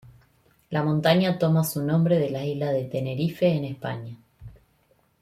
La montaña toma su nombre de la isla de Tenerife en España.